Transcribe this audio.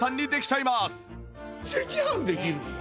赤飯できるんだ！